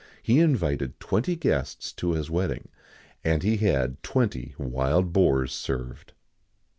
He invited twenty guests to his wedding, and he had twenty wild boars served.